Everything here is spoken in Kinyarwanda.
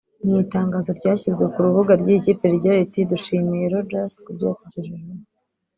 Mu itangazo ryashyizwe ku rubuga rw’iyi kipe rigira riti “Dushimiye Rogers ku byo yatugejejeho